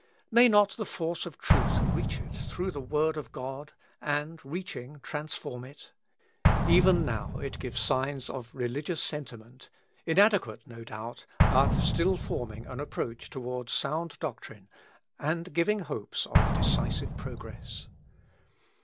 May not the force of truth reach it through the Word of God, and, reaching, transform it? Even now it gives signs of religious sentiment, inadequate, no doubt, but still forming an approach towards sound doctrine, and giving hopes of decisive progress.